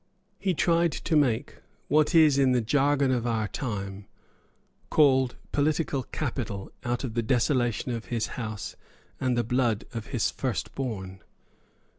He tried to make what is, in the jargon of our time, called political capital out of the desolation of his house and the blood of his first born.